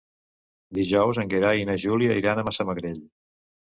Dijous en Gerai i en Julià iran a Massamagrell.